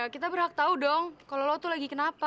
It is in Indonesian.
kita berhak tau dong kalo lo tuh lagi kenapa